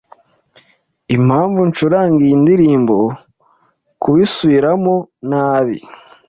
Impamvu ncuranga iyi ndirimbo kubisubiramo, nabi